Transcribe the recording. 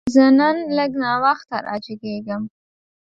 زه نن لږ ناوخته راجیګیږم